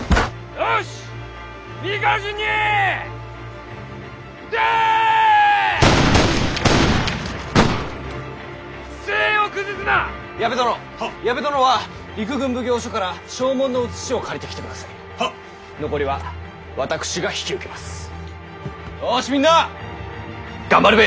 よしみんな頑張るべ！